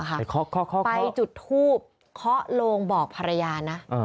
ไปจุดทูปเคาะโลงบอกภรรยานะ